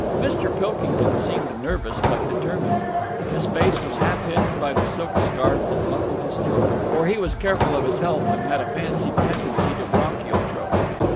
Mr. Pilkington seemed nervous but determined. His face was half hidden by the silk scarf that muffled his throat, for he was careful of his health and had a fancied tendency to bronchial trouble.